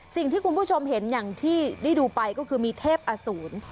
สิ่งที่คุณผู้ชมเห็นอย่างที่ได้ดูไปก็คือมีเทพอสูร